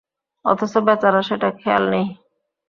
অথচ বেচারার সেটা খেয়াল নেই।